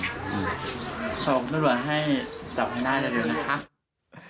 ขอบคุณตำรวจให้จับให้ได้เร็วนะครับ